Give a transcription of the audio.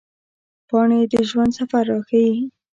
پاڼې د ژوند سفر راښيي